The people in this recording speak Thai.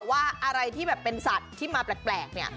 ว่าอะไรที่แบบเป็นสัตว์ที่มาแปลกเนี่ย